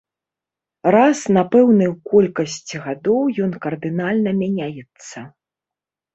Раз на пэўную колькасць гадоў ён кардынальна мяняецца.